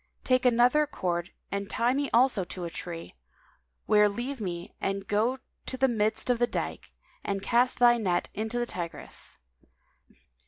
Take another cord and tie me also to a tree, where leave me and go to the midst of The Dyke [FN#195] and cast thy net into the Tigris.